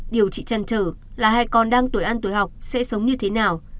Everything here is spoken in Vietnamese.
điều trị chăn trở là hai con đang tuổi ăn tuổi học sẽ sống như thế nào